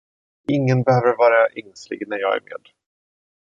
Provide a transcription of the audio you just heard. Ingen behöver vara ängslig när jag är med.